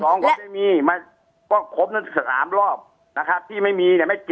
น้องก็ไม่มีมาก็ครบทั้งสามรอบนะครับที่ไม่มีเนี่ยไม่เจอ